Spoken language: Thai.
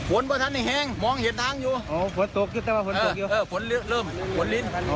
ฝนเริ่มฝนลิ้น